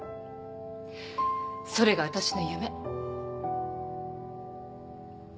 それが私の夢。